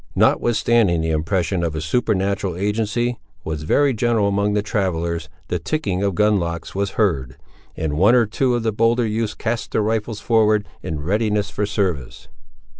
Notwithstanding the impression of a supernatural agency was very general among the travellers, the ticking of gun locks was heard, and one or two of the bolder youths cast their rifles forward, in readiness for service.